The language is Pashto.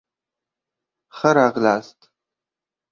ښه راغلاست